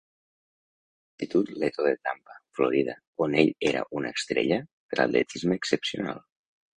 L'Institut Leto de Tampa, Florida, on ell era una estrella de l'atletisme excepcional.